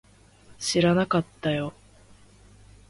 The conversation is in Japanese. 知らなかったよ